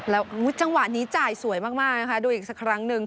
แล้วจังหวะนี้จ่ายสวยมากนะคะดูอีกสักครั้งหนึ่ง